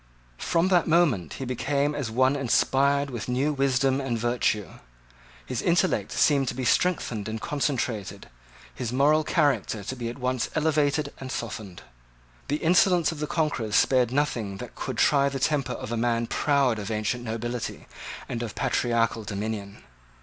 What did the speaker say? From that moment he became as one inspired with new wisdom and virtue. His intellect seemed to be strengthened and concentrated, his moral character to be at once elevated and softened. The insolence of the conquerors spared nothing that could try the temper of a man proud of ancient nobility and of patriarchal dominion.